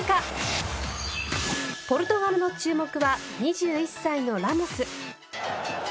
ポルトガルの注目は２１歳のラモス。